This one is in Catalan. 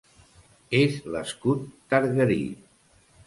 És l'escut targarí.